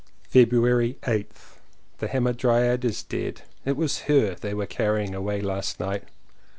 February 8th. The Hamadryad is dead. It was her they were carrying away last night.